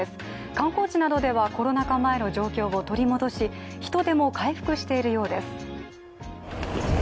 観光地などではコロナ禍前の状況を取り戻し、人出も回復しているようです。